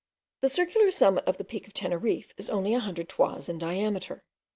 The circular summit of the peak of Teneriffe is only a hundred toises in diameter.